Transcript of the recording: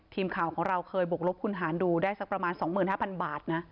ทีมข่าวของเราเคยบกลบคุณหารดูได้สักประมาณ๒๕๐๐บาทนะ